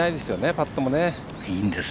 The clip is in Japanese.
パットも。